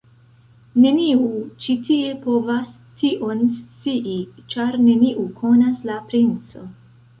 Neniu ĉi tie povas tion scii, ĉar neniu konas la princon!